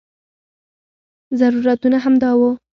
ضرورتونه همدا وو.